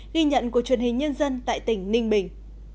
ghi nhận của truyền hình nhân dân tại tỉnh ninh bình